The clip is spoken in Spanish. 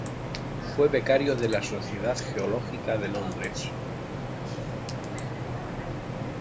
Fue becario de la Sociedad Geológica de Londres.